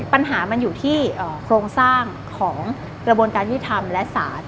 ปัญหามันอยู่ที่โครงสร้างของกระบวนการยุทธรรมและศาล